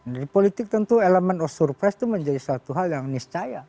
dari politik tentu elemen of surprise itu menjadi suatu hal yang niscaya